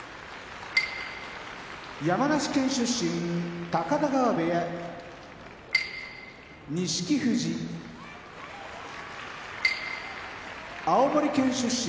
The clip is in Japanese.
山梨県出身高田川部屋錦富士青森県出身